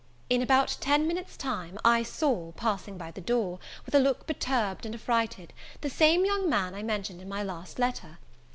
In about ten minutes time, I saw, passing by the door, with a look perturbed and affrighted, the same young man I mentioned in my last letter.